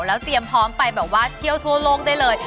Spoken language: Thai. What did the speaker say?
แล้วเตรียมพร้อมไปแบบว่าเที่ยวทั่วโลกได้เลย